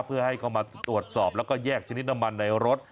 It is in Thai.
เพื่อให้เข้ามาตรวจสอบแล้วก็แยกชนิดน้ำมันในรถ